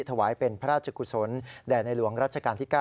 ถวายเป็นพระราชกุศลแด่ในหลวงรัชกาลที่๙